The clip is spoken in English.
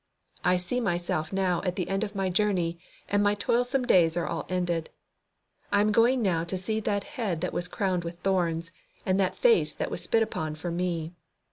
I see myself now at the end of my journey, and my toilsome days are all ended. I am going now to see that head that was crowned with thorns, and that face that was spit upon for me.